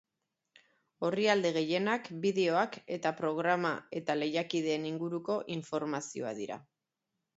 Orrialde gehienak bideoak eta programa eta lehiakideen inguruko informazioa dira.